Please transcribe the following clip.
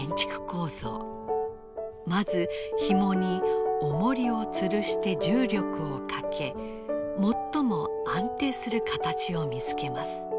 まずひもにおもりをつるして重力をかけ最も安定する形を見つけます。